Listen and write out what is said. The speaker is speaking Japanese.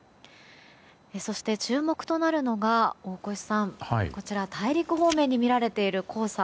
そして注目となるのが、大越さん大陸方面に見られている黄砂。